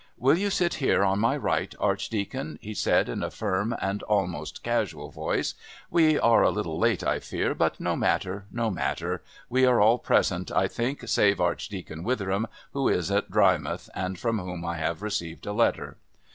"Will you sit here on my right, Archdeacon?" he said in a firm and almost casual voice. "We are a little late, I fear, but no matter no matter. We are all present, I think, save Archdeacon Witheram, who is at Drymouth, and from whom I have received a letter."